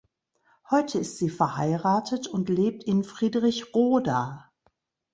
Heute ist sie verheiratet und lebt in Friedrichroda.